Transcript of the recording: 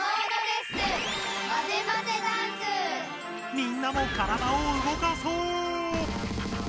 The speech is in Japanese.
みんなも体を動かそう！